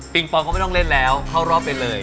ปิงปองค่ะไม่ต้องเล่นแล้วเขารอไปเลย